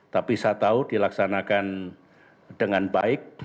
tapi saya tahu dilaksanakan dengan baik